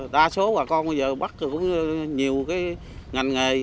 đa số bà con bây giờ bắt cũng nhiều cái ngành nghề